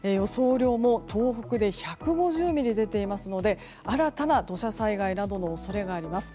雨量も東北で１５０ミリ出ていますので新たな土砂災害などの恐れがあります。